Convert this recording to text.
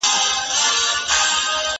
زه کولای سم سپينکۍ پرېولم.